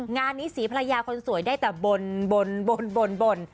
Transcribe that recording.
งานนี้ศรีภรรยาคนสวยได้แต่บน